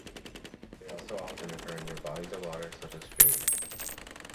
They also often occur near bodies of water such as streams.